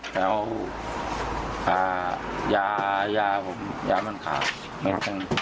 อย่าเอาอ่ายาผมยามันขาด